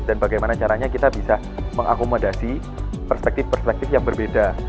dan bagaimana caranya kita bisa mengakomodasi perspektif perspektif yang berbeda